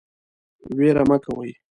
ویره مه کوئ